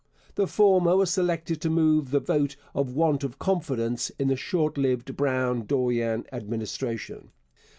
The former was selected to move the vote of want of confidence in the short lived Brown Dorion Administration.